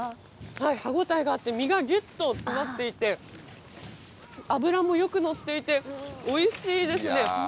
はい、歯応えがあって、身がぎゅっと詰まっていて、脂もよく乗っていておいしいですね。